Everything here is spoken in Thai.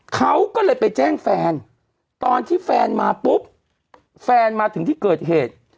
เขาก็เลยไปแจ้งแฟนตอนที่แฟนมาปุ๊บแฟนมาถึงที่เกิดเหตุ